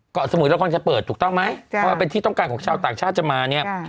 ก่อสมุยเราก็จะเปิดถูกต้องไหมเพราะว่าเป็นที่ต้องการของชาวต่างชาติจะมา